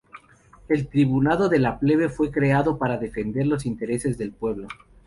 El Tribunado de la plebe fue creado para defender los intereses del pueblo.